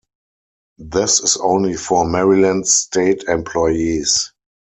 This is only for Maryland State employees.